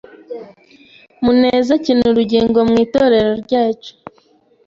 Muneza akina urugingo mwitorero ryacu.